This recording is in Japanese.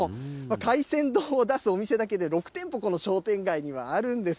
海鮮丼を出すお店だけで６店舗、この商店街にはあるんです。